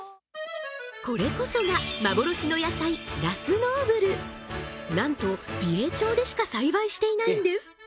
これこそがなんと美瑛町でしか栽培していないんです